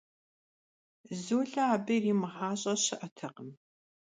Zule abı yirimığaş'e şı'etekhım.